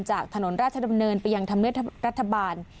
จากถนนราชดำเนินไปยังธรรมเนียบรัฐบาล